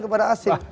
terima kasih bang